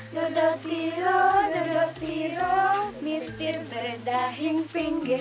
dodotiro dodotiro mitir berdahing pinggir